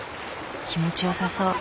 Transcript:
気持ちよさそう。